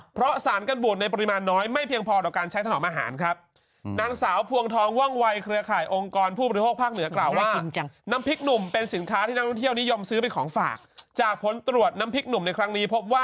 เพราะสารกันบูดในปริมาณน้อยไม่เพียงพอต่อการใช้ถนอมอาหารครับ